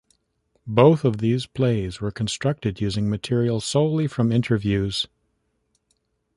Both of these plays were constructed using material solely from interviews.